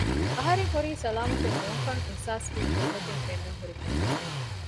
އަހަރެން ހުރީ ސަލާމަތުން ނޫންކަން އިހުސާސްވީ ކުރިމަތިން ފެންނަން ހުރި މަންޒަރުން